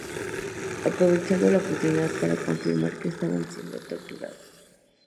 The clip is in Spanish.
Aprovechó la oportunidad para confirmar que estaban siendo torturados.